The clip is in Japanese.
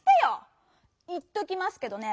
いっときますけどね